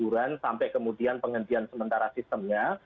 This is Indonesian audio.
sehingga dari kebocoran sampai kemudian penghentian sementara sistemnya